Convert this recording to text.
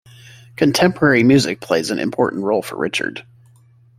Contemporary music plays an important role for Richard.